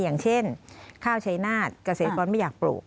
อย่างเช่นข้าวใช้หน้ากระเศษกรไม่อยากปลูก